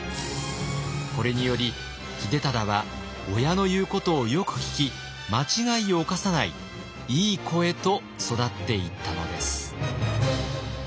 これにより秀忠は親の言うことをよく聞き間違いをおかさないいい子へと育っていったのです。